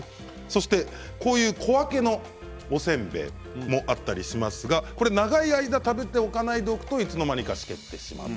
そして、こういう小分けのせんべいもあったりしますが長い間、食べないで置いておくといつの間にか、しけってしまう。